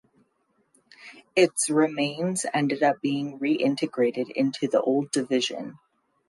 Its remains ended up being reintegrated into the old division.